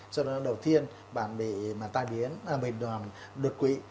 sau đó đầu tiên bạn bị tai biến bị đột quỵ